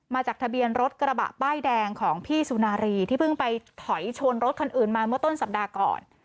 มาจากทะเบียนรถกระบะป้ายแดงของพี่สุนารีที่เพิ่งไปถอยชนรถคันอื่นมาเมื่อต้นสัปดาห์ก่อน